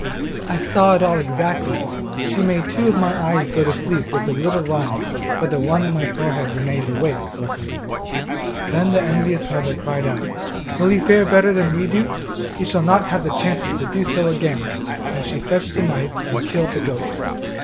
I saw it all exactly. She made two of my eyes go to sleep with a little rhyme, but the one in my forehead remained awake, luckily!' Then the envious mother cried out, 'Will you fare better than we do? you shall not have the chance to do so again!' and she fetched a knife, and killed the goat.